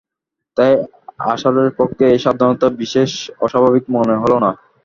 তাই আশারের পক্ষে এই সাবধানতা বিশেষ অস্বাভাবিক মনে হল না।